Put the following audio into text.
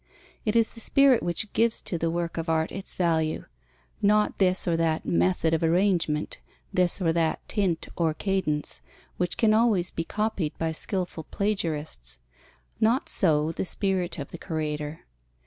It is the spirit which gives to the work of art its value, not this or that method of arrangement, this or that tint or cadence, which can always be copied by skilful plagiarists: not so the spirit of the creator.